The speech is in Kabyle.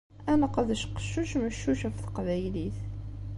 Ad neqdec qeccuc meccuc af teqbaylit.